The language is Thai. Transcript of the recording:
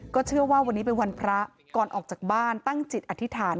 เชื่อว่าวันนี้เป็นวันพระก่อนออกจากบ้านตั้งจิตอธิษฐาน